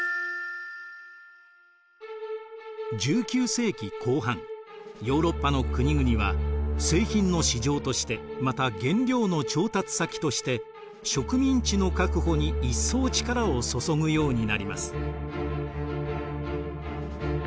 １９世紀後半ヨーロッパの国々は製品の市場としてまた原料の調達先として植民地の確保に一層力を注ぐようになります。